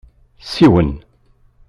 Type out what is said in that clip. Siwen.